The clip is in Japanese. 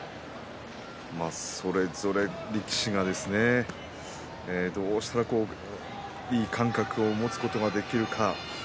それぞれ力士がどうしたらいい感覚を持つことができるか。